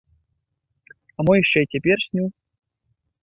А мо яшчэ і цяпер сню?